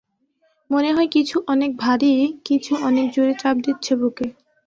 মনে হয় কিছু অনেক ভারী কিছু অনেক জোরে চাপ দিচ্ছে বুকে।